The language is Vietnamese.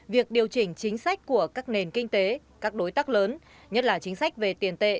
việc điều chỉnh chính sách của các nền kinh tế các đối tác lớn nhất là chính sách về tiền tệ